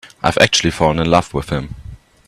I've actually fallen in love with him.